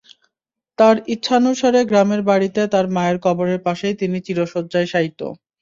তাঁর ইচ্ছানুসারে গ্রামের বাড়িতে তাঁর মায়ের কবরের পাশেই তিনি চিরশয্যায় শায়িত।